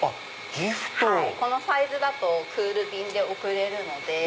このサイズだとクール便で送れる。